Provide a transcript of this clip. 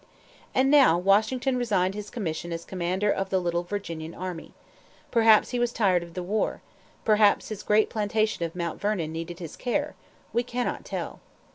And now Washington resigned his commission as commander of the little Virginian army. Perhaps he was tired of the war. Perhaps his great plantation of Mount Vernon needed his care. We cannot tell.